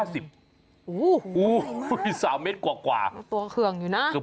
ห้าสิบโอ้โฮสามเมตรกว่ากว่ามันตัวเคลื่องอยู่น่ะ